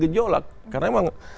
gejolak karena memang